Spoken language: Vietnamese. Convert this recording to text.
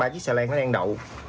ba chiếc xà lan đang đậu